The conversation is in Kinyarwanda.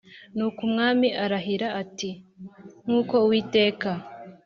Nuko umwami ararahira ati nk uko uwiteka